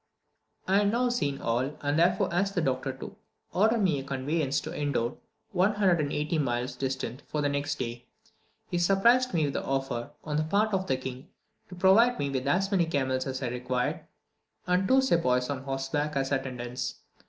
I had now seen all, and therefore asked the doctor to order me a conveyance to Indor, 180 miles distant, for the next day. He surprised me with the offer, on the part of the king, to provide me with as many camels as I required, and two sepoys on horseback as attendants.